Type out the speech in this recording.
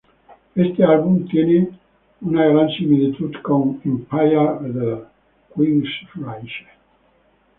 Este álbum tiene una gran similitud con Empire de Queensrÿche.